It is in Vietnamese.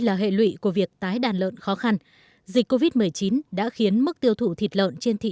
là hệ lụy của việc tái đàn lợn khó khăn dịch covid một mươi chín đã khiến mức tiêu thụ thịt lợn trên thị